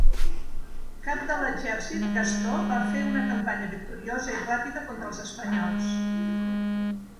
Cap de l'exèrcit, Gastó va fer una campanya victoriosa i ràpida contra els espanyols.